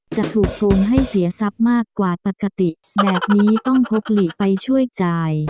จะถูกโกงให้เสียทรัพย์มากกว่าปกติแบบนี้ต้องพกหลีกไปช่วยจ่าย